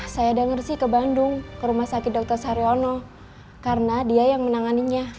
saya dengar sih ke bandung ke rumah sakit dr saryono karena dia yang menanganinya